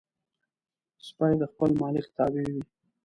سپي د خپل مالک تابع وي.